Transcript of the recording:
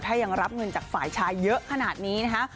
ถ้ายังรับเงินจากฝ่ายชายเยอะขนาดนี้นะคะ